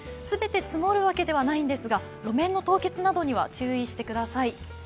全て積もるわけではないんですが、路面の凍結などには注意してください。